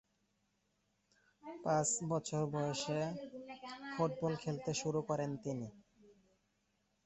পাঁচ বছর বয়সে ফুটবল খেলতে শুরু করেন তিনি।